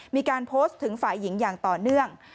มีการโพสต์ถึงฝ่ายหญิงอย่างต่อเนื่อง